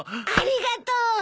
ありがとう！